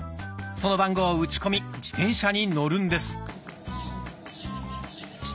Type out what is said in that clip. その番号を打ち込み自転車に乗るんです。